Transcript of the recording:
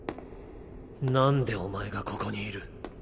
なんでお前がここにいる？